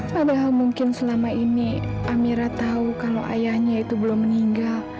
padahal mungkin selama ini amira tahu kalau ayahnya itu belum meninggal